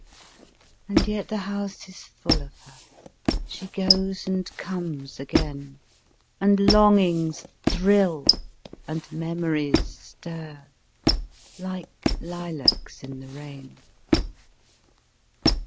And yet the house is full of her; She goes and comes again; And longings thrill, and memories stir, Like lilacs in the rain.